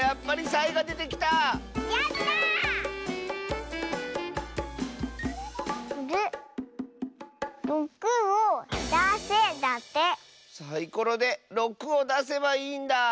サイコロで６をだせばいいんだ！